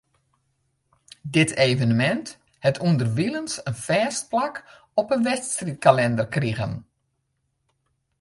Dit evenemint hat ûnderwilens in fêst plak op 'e wedstriidkalinder krigen.